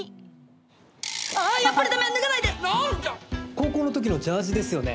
高校の時のジャージですよね。